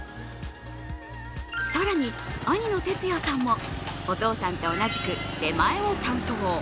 更に兄の哲也さんもお父さんと同じく出前を担当。